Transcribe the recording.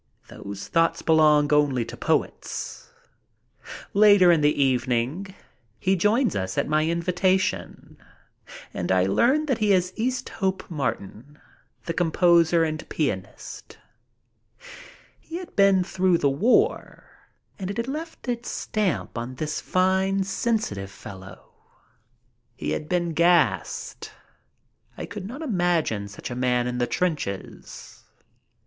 Those thoughts belong only to poets. Later in the evening he joins us at my invitation and I learn he is Easthope Martin, the com poser and pianist. He had been through the war and it had left its stamp on this fine, sensitive soul. He had been gassed. I could not imagine such a man in the trenches.